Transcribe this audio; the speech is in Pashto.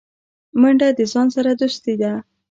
منډه د ځان سره دوستي ده